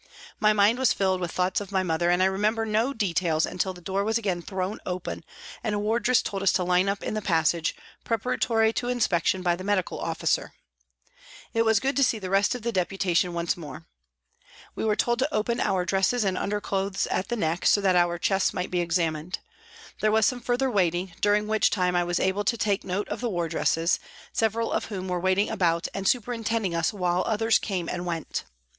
My mind was filled with thoughts of my mother and I remember no details until the door was again thrown open and a wardress told us to line up in the passage, preparatory to inspection by the medical officer. It was good to see the rest of the Deputation HOLLOWAY PRISON 73 once more. We were told to open our dresses and underclothes at the neck so that our chests might be examined. There was some further waiting, during which time I was able to take note of the wardresses, several of whom were waiting about and superin tending us while others came and went.